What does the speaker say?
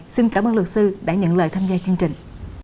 xin cảm ơn luật sư đã nhận lời tham gia chương trình